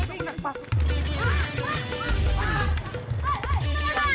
eh bu buruan bu